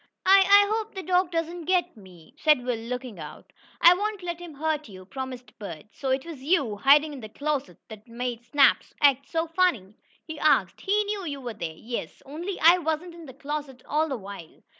"I I hope the dog doesn't get me!" said Will, looking about. "I won't let him hurt you," promised Bert. "So it was you, hiding in the closet that made Snap act so funny?" he asked. "He knew you were there." "Yes, only I wasn't in the closet all the while.